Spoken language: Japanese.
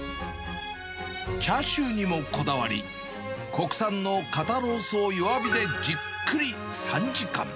チャーシューにもこだわり、国産の肩ロースを弱火でじっくり３時間。